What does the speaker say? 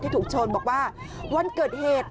ถูกชนบอกว่าวันเกิดเหตุ